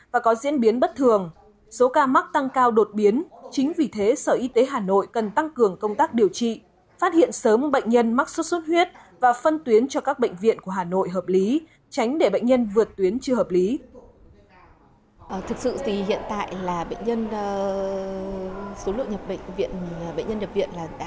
và có diễn biến bất thường số ca mắc tăng cao đột biến chính vì thế sở y tế hà nội cần tăng cường công tác điều trị phát hiện sớm bệnh nhân mắc sốt xuất huyết và phân tuyến cho các bệnh viện của hà nội hợp lý tránh để bệnh nhân vượt tuyến chưa hợp lý